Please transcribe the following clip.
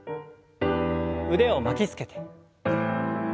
腕を巻きつけて。